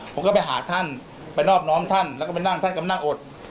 ผมก็ไปหาท่านไปนอบน้อมท่านแล้วก็ไปนั่งท่านก็นั่งอด